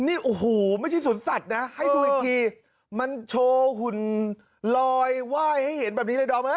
นี่โอ้โหไม่ใช่สวนสัตว์นะให้ดูอีกทีมันโชว์หุ่นลอยไหว้ให้เห็นแบบนี้เลยดอมฮะ